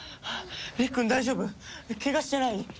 理玖くん大丈夫？怪我してない？